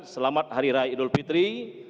selamat hari raya idul fitri